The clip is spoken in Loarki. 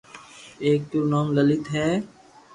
ايڪ رو نوم لليت ھي